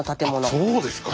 あそうですか。